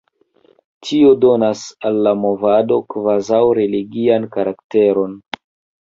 Tio donas al la movado kvazaŭ religian karakteron.